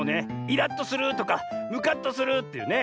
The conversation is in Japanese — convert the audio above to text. イラッとするとかムカッとするっていうね。